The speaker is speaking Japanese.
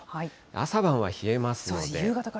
朝晩は冷えますので。